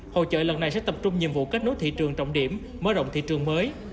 hội trợ lần này sẽ tập trung nhiệm vụ kết nối thị trường trọng điểm mở rộng thị trường mới